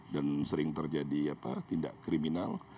dan sering terjadi tindak kriminal